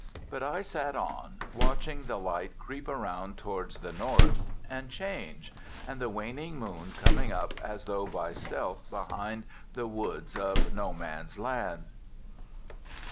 But I sat on, watching the light creep around towards the north and change, and the waning moon coming up as though by stealth behind the woods of No Man's Land.